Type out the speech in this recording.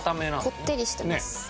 こってりしてます。